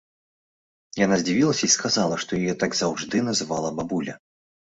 Яна здзівілася і сказала, што яе так заўжды называла бабуля.